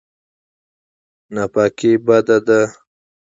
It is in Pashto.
ناپاکي بده ده.